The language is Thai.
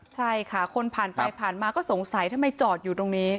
ใช่ค่ะคนผ่านไปผ่านมาก็สงสัยทำไมจอดอยู่ตรงนี้